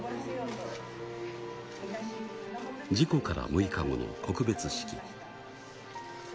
事故から６日後の告別式。